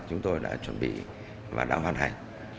chúng tôi đã chuẩn bị và đã hoàn hành